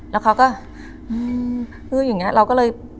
แล้วเขาก็อื้ออย่างนี้เราก็เลย